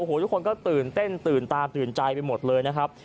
โอ้โหทุกคนก็ตื่นเต้นตื่นตาตื่นใจไปหมดเลยนะครับ